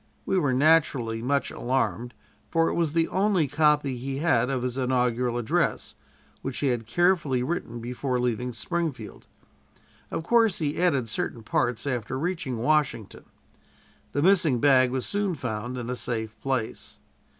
We were naturally much alarmed, for it was the only copy he had of his inaugural address, which he had carefully written before leaving Springfield. Of course, he added certain parts after reaching Washington. The missing bag was soon found in a safe place.